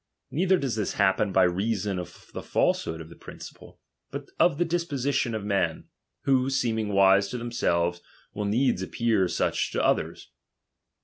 Neither dolh this happen by reason of tiie falsehood of the principle, but of the disposition of men, wbo, seeming wise to themselves, will needs appear such to all others.